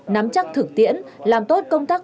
nắm chắc thực tiễn làm tốt công tác